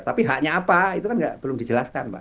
tapi haknya apa itu kan belum dijelaskan mbak